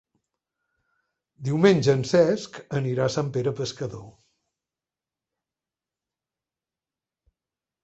Diumenge en Cesc anirà a Sant Pere Pescador.